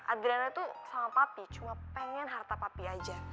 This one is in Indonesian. adrena tuh sama papi cuma pengen harta papi aja